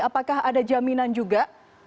apakah ada jaminan juga